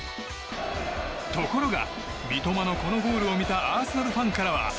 ところが三笘のこのゴールを見たアーセナルファンからは。